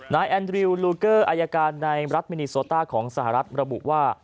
แอนดริวลูเกอร์อายการในรัฐมินิโซต้าของสหรัฐระบุว่า